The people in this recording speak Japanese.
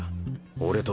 俺と。